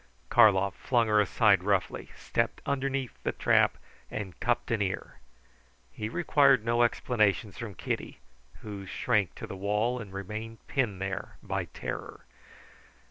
Karlov flung her aside roughly, stepped under the trap, and cupped an ear. He required no explanations from Kitty, who shrank to the wall and remained pinned there by terror.